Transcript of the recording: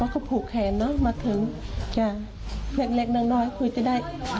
เขาผูกแขนเนอะมาถึงจ้ะเล็กน้อยคุยจะได้